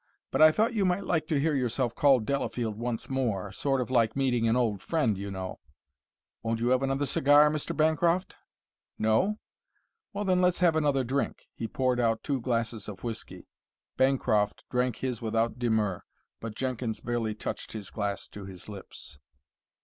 But I thought you might like to hear yourself called Delafield once more sort of like meeting an old friend, you know. Won't you have another cigar, Mr. Bancroft? No? Well, then, let's have another drink." He poured out two glasses of whiskey. Bancroft drank his without demur, but Jenkins barely touched his glass to his lips.